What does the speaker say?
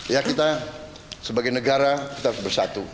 ya kita sebagai negara kita harus bersatu